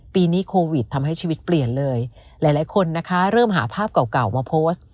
ปีนี้โควิดทำให้ชีวิตเปลี่ยนเลยหลายคนนะคะเริ่มหาภาพเก่าเก่ามาโพสต์